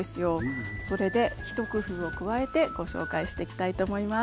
それで一工夫を加えてご紹介してきたいと思います。